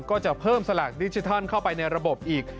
ก็จะเพิ่มสลากดิจิทัลเข้าไปในระบบอีก